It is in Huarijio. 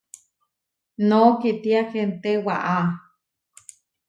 Nooo kitia hente waʼá.